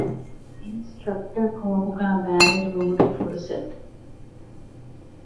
ޖިމް އިންސްޓްރަކްޓަރ ކޯހުގައި ބައިވެރިވުމުގެ ފުރުސަތު